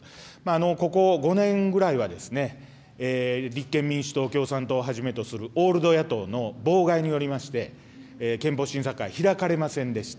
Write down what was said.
ここ５年ぐらいは立憲民主党、共産党をはじめとするオールド野党の妨害によりまして、憲法審査会、開かれませんでした。